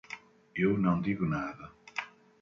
Eu não digo nada.